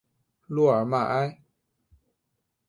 洛尔迈埃。